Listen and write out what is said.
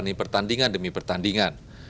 dan menjalani pertandingan demi pertandingan